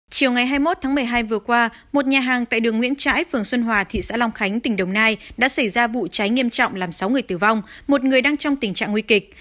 chiều ngày hai mươi một tháng một mươi hai vừa qua một nhà hàng tại đường nguyễn trãi phường xuân hòa thị xã long khánh tỉnh đồng nai đã xảy ra vụ cháy nghiêm trọng làm sáu người tử vong một người đang trong tình trạng nguy kịch